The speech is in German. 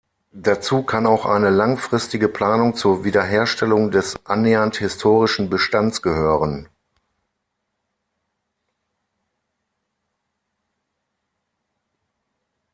Dazu kann auch eine langfristige Planung zur Wiederherstellung des annähernd historischen Bestands gehören.